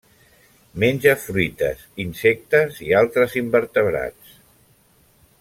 Menja fruites, insectes i altres invertebrats.